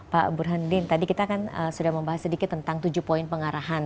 pak burhanuddin tadi kita kan sudah membahas sedikit tentang tujuh poin pengarahan